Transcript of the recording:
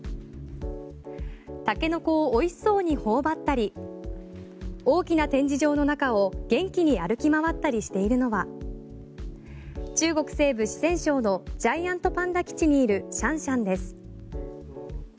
タケノコを美味しそうにほおばったり大きな展示場の中を元気に歩き回ったりしているのは中国西部・四川省のジャイアントパンダ基地にいるシャンシャンです。